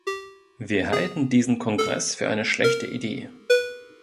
Wir halten diesen Kongress für eine schlechte Idee.